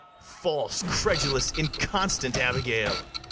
False, credulous, inconstant Abigail!